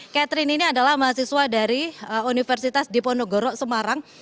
catherine ini adalah mahasiswa dari universitas diponegoro semarang